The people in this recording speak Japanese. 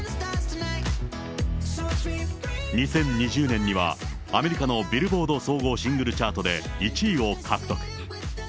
２０２０年には、アメリカのビルボード総合シングルチャートで１位を獲得。